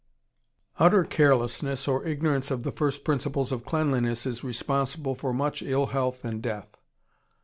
Utter carelessness or ignorance of the first principles of cleanliness is responsible for much ill health and death.